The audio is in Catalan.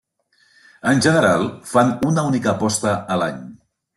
En general, fan una única posta a l'any.